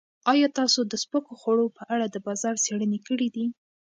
ایا تاسو د سپکو خوړو په اړه د بازار څېړنې کړې دي؟